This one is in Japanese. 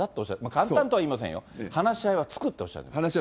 簡単じゃありませんよ、話し合いはつくっておっしゃってました。